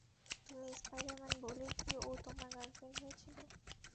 তুমি স্পাইডার-ম্যান বলেই কি ও তোমার গার্লফ্রেন্ড হয়েছিল?